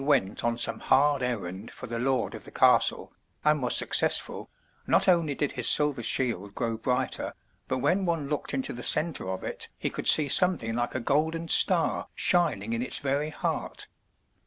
204 THE TREASURE CHEST on some hard errand for the lord of the castle, and was successful, not only did his silver shield grow brighter, but when one looked into the center of it he could see something like a golden star shining in its very heart.